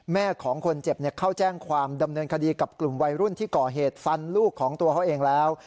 แม่ของคนเจ็บเข้าแจ้งความดำเนินคดีกับกลุ่มวัยรุ่นที่ก่อเหตุฟันลูกของตัวเขาเองแล้ว